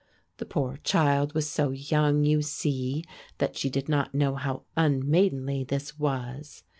The poor child was so young, you see, that she did not know how unmaidenly this was.